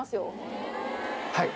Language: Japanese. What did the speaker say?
はい。